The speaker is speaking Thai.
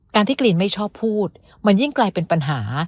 ที่กรีนไม่ชอบพูดมันยิ่งกลายเป็นปัญหา